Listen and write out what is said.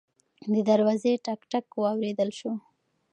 د دروازې ټک ټک واورېدل شو.